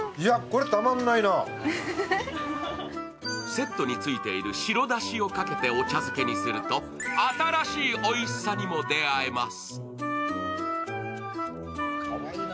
セットについている白だしをかけてお茶漬けにすると新しいおいしさにも出会えます。